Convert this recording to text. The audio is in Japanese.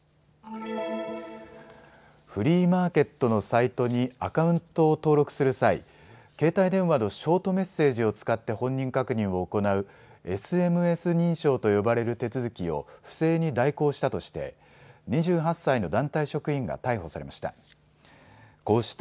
フリーマーケットのサイトにアカウントを登録する際、携帯電話のショートメッセージを使って本人確認を行うＳＭＳ認証と呼ばれる手続きを不正に代行したとして２８歳の団体職員が逮捕されました。